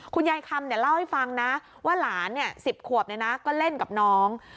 คำเล่าให้ฟังนะว่าหลาน๑๐ขวบก็เล่นกับน้อง